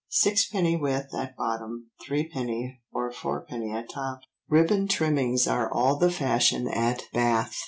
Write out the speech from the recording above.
Sixpenny width at bottom, threepenny or fourpenny at top. Ribbon trimmings are all the fashion at Bath.